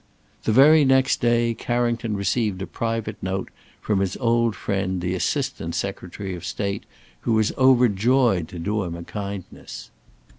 The very next day Carrington received a private note from his old friend, the Assistant Secretary of State, who was overjoyed to do him a kindness.